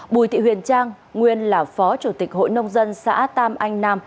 bùi thị huyền trang nguyên là phó chủ tịch hội nông dân xã tam anh nam